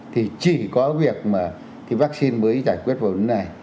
thì chỉ có việc mà cái vaccine mới giải quyết vấn đề này